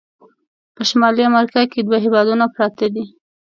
په شمالي امریکا کې دوه هیوادونه پراته دي.